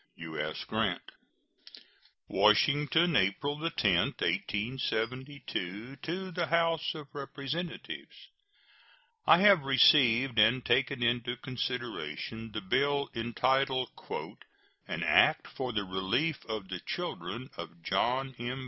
U.S. GRANT. WASHINGTON, April 10, 1872. To the House of Representatives: I have received and taken into consideration the bill entitled "An act for the relief of the children of John M.